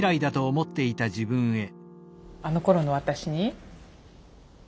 あのころの私に？